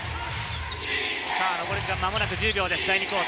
残り時間は間もなく１０秒。